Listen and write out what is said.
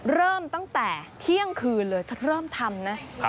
เริ่มตั้งแต่เที่ยงคืนเลยเธอเริ่มทำนะ